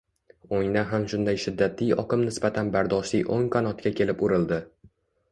o‘ngdan ham shunday shiddatli oqim nisbatan bardoshli o‘ng qanotga kelib urildi